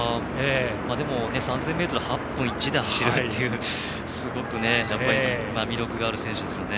でも、３０００ｍを８分１で走れるっていうすごく魅力のある選手ですよね。